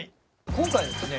今回ですね